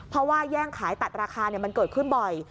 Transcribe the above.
เพราะว่าแย่งขายตัดราคามันเกิดขึ้นบ่อย